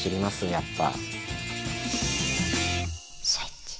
やっぱ。